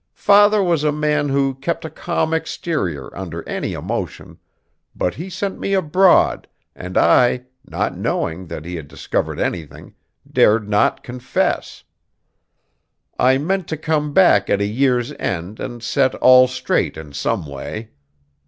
Father was a man who kept a calm exterior under any emotion; but he sent me abroad, and I, not knowing that he had discovered anything, dared not confess. I meant to come back at a year's end and set all straight in some way.